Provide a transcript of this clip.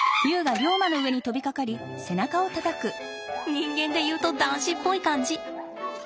人間で言うと男子っぽい感じ。